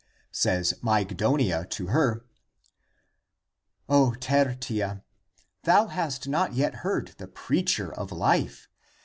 Says Mygdonia to her, " O Tertia, thou hast not yet heard the preacher of life!